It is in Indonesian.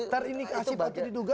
terindikasi patut diduga